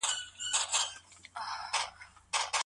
موږ بايد پوهه عامه کړو.